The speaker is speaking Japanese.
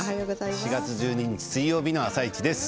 ４月１２日水曜日の「あさイチ」です。